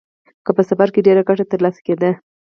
که په سفر کې ډېره ګټه ترلاسه کېده